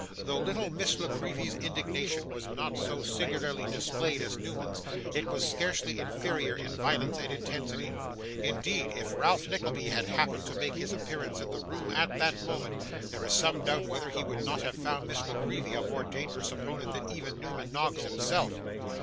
Though little Miss La Creevy's indignation was not so singularly displayed as Newman's, it was scarcely inferior in violence and intensity. Indeed, if Ralph Nickleby had happened to make his appearance in the room at that moment, there is some doubt whether he would not have found Miss La Creevy a more dangerous opponent than even Newman Noggs himself.